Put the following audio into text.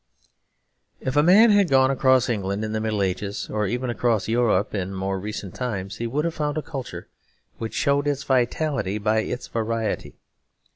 If a man had gone across England in the Middle Ages, or even across Europe in more recent times, he would have found a culture which showed its vitality by its variety.